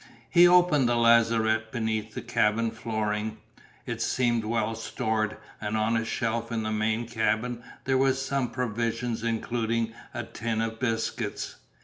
He opened the lazarette beneath the cabin flooring; it seemed well stored, and on a shelf in the main cabin there were some provisions including a tin of biscuits.